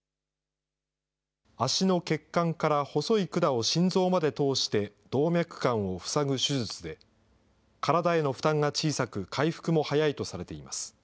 足の血管から細い管を心臓まで通して動脈管を塞ぐ手術で、体への負担が小さく、回復も早いとされています。